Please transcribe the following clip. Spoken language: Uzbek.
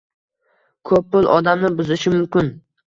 Ko'p pul odamni buzishi mumkin